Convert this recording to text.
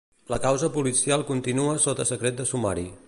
La causa policial continua sota secret de sumari.